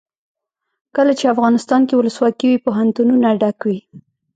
کله چې افغانستان کې ولسواکي وي پوهنتونونه ډک وي.